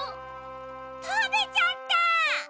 たべちゃった！